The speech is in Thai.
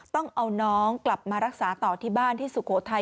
ต้องเอาน้องกลับมารักษาต่อที่บ้านที่สุโขทัย